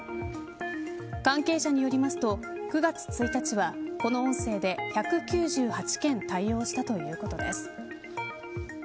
関係者によりますと９月１日はこの音声で１９８件対応したということです。